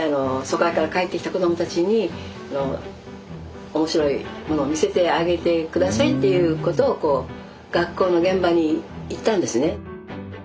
疎開から帰ってきた子どもたちに面白いものを見せてあげて下さいということを学校の現場に言ったんですね。